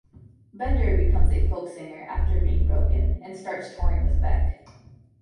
Bender becomes a folksinger after being broken, and starts touring with Beck.